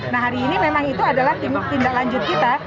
nah hari ini memang itu adalah tindak lanjut kita